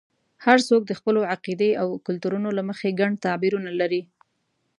هر څوک د خپلو عقیدو او کلتورونو له مخې ګڼ تعبیرونه لري.